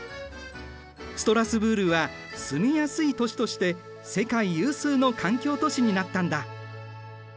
ストラスブールは住みやすい都市として世界有数の環境都市になったんだ。